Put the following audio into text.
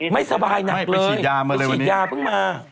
ไม่สบายหนักเลยไปฉีดยามันเลยวันนี้ไปฉีดยาเพิ่งมา